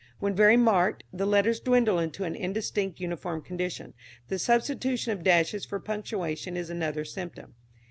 When very marked, the letters dwindle into an indistinct unformed condition. The substitution of dashes for punctuation is another symptom.